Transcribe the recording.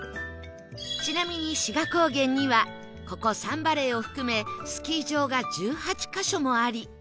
ちなみに志賀高原にはここサンバレーを含めスキー場が１８カ所もあり